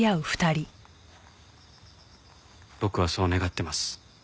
僕はそう願ってます。